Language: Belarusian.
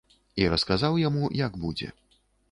І расказаў яму, як будзе.